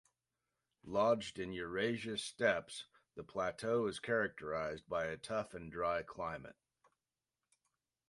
Lodged in Eurasia’s steppes, the plateau is characterized by a tough and dry climate.